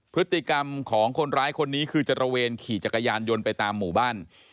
พฤติกรรมของคนร้ายคนนี้คือจะตระเวนขี่จักรยานยนต์ไปตามหมู่บ้าน